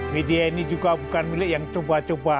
media ini juga bukan milik yang coba coba